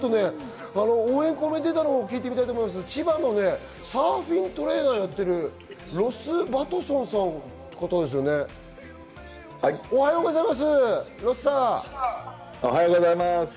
応援コメンテーターのほうを聞いてみたいと思うんですが、千葉のサーフィントレーナーをやっているロス・バトソンさんといおはようございます。